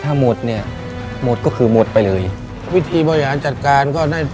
ในแคมเปญพิเศษเกมต่อชีวิตโรงเรียนของหนู